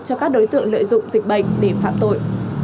cho các đối tượng lợi dụng dịch bệnh để phạm tội